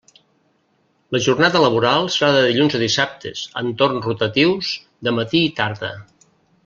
La jornada laboral serà de dilluns a dissabtes, en torn rotatius de matí i tarda.